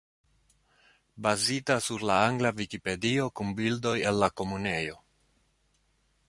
Bazita sur la angla Vikipedio kun bildoj el la Komunejo.